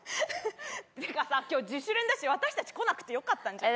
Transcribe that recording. っていうかさ今日自主練だし私たち来なくてよかったんじゃない？